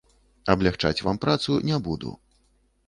Аблягчаць вам працу не буду.